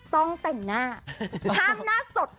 ต้องแต่งหน้าห้ามหน้าสด